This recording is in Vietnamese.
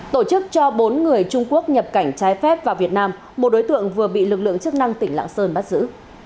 tổ chức cho bốn người trung quốc nhập cảnh trái phép vào việt nam một đối tượng vừa bị lực lượng chức năng tỉnh lạng sơn bắt giữ